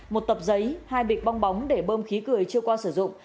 một tập giấy hai bịch bong bóng để bơm khí cười chưa qua sử dụng